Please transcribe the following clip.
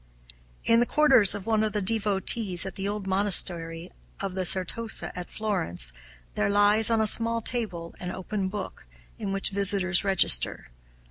In the quarters of one of the devotees, at the old monastery of the Certosa, at Florence, there lies, on a small table, an open book, in which visitors register.